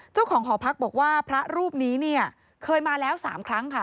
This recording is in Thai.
เจ้าของหอพักบอกว่าพระรูปนี้เนี่ยเคยมาแล้ว๓ครั้งค่ะ